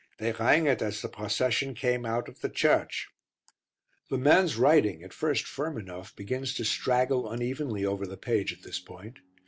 They rang it as the procession came out of the church. The man's writing, at first firm enough, begins to straggle unevenly over the page at this point.